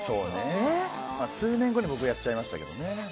数年後に僕やっちゃいましたけどね。